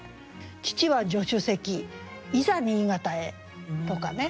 「父は助手席いざ新潟へ」とかね。